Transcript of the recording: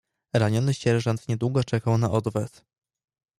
"Raniony sierżant niedługo czekał na odwet."